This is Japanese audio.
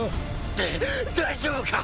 だ大丈夫か！？